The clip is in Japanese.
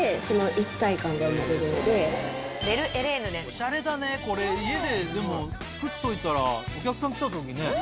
オシャレだねこれ家ででも作っといたらお客さん来た時ね。